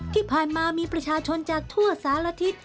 ที่ผ่านมามีประชาชนจากทั่วสารทิศ